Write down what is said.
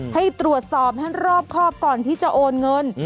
ให้ตรวจสอบให้รอบครอบก่อนที่จะโอนเงิน